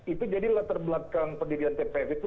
itu jadi latar belakang pendirian tpf itu